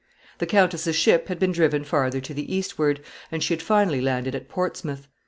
The countess's ship had been driven farther to the eastward, and she had finally landed at Portsmouth.